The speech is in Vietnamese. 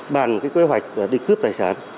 bàn cái kế hoạch đi cướp tài sản